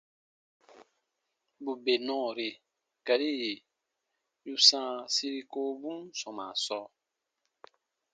Bù bè nɔɔri gari yì yu sãa siri kowobun sɔmaa sɔɔ,